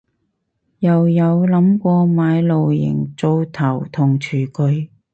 又有諗過買露營爐頭同廚具